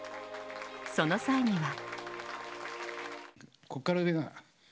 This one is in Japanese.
その際には。